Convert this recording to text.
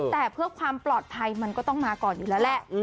แต่เพื่อความปลอดภัยมันก็ต้องมาก่อนอยู่แล้วแหละ